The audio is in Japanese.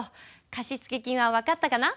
貸付金は分かったかな？